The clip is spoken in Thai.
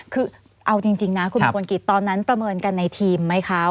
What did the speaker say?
คือเอาจริงนะคุณมงคลกิจตอนนั้นประเมินกันในทีมไหมคะ